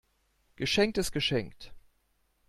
Geschenkt ist geschenkt.